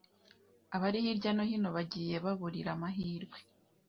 abari hirya no hino bagiye baburira amahirwe